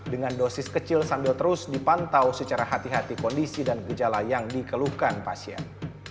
dengan dosis kecil sambil terus dipantau secara hati hati kondisi dan gejala yang dikeluhkan pasien